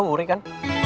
lo wuri kan